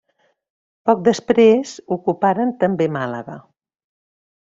Poc després ocuparen també Màlaga.